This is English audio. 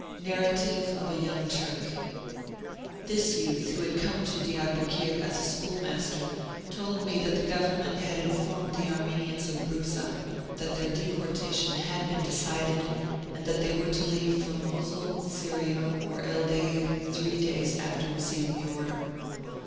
NARRATIVE OF A YOUNG TURK. This youth, who had come to Diarbekir as a schoolmaster, told me that the Government had informed the Armenians of Broussa that their deportation had been decided, and that they were to leave for Mosul, Syria, or El Deir three days after receiving the order.